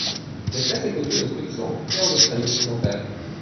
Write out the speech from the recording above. L'espèce est connue au Queensland et en Australie occidentale.